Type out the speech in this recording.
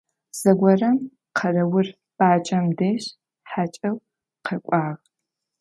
Зэгорэм къэрэур баджэм дэжь хьакӀэу къэкӀуагъ.